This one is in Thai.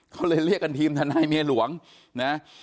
เขาเลยเรียกกันทีมทนายเมียหลวงนะ